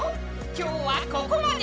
今日はここまで！